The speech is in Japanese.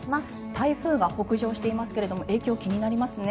台風が北上していますけれども影響、気になりますね。